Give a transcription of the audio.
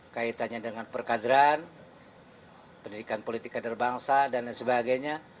kaitannya dengan perkadran pendidikan politik kader bangsa dan lain sebagainya